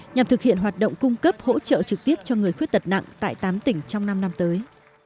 nhằm thực hiện hoạt động cung cấp hỗ trợ trực tiếp cho người khuyết tật nặng tại tám tỉnh trong năm năm tới